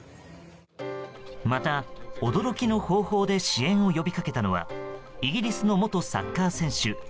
また、驚きの方法で支援を呼びかけたのはイギリスの元サッカー選手